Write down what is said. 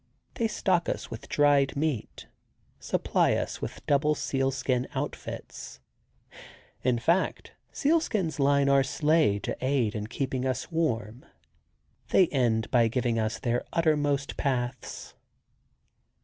They stock us with dried meat; supply us with double sealskin outfits; in fact, sealskins line our sleigh to aid in keeping us warm. They end by giving us their uttermost paths.